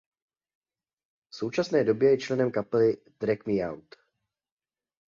V současné době je členem kapely Drag Me Out.